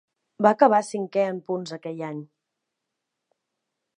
Va acabar cinquè en punts aquell any.